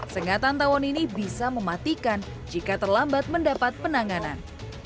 sengatan tawon ini bisa mematikan jika terlambat mendapat penanganan